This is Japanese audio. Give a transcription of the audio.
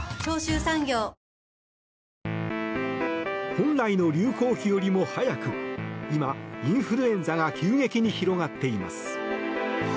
本来の流行期よりも早く今、インフルエンザが急激に広がっています。